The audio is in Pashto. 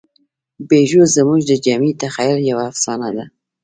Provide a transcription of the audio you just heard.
پيژو زموږ د جمعي تخیل یوه افسانه ده.